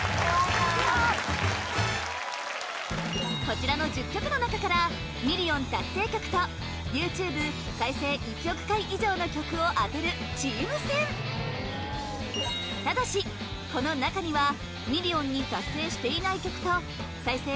こちらの１０曲の中からミリオン達成曲とＹｏｕＴｕｂｅ再生１億回以上の曲を当てるチーム戦ただしこの中にはミリオンに達成していない曲と再生